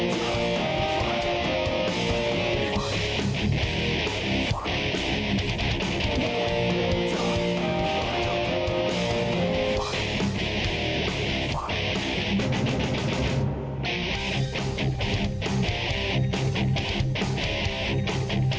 โปรดติดตามตอนต่อไป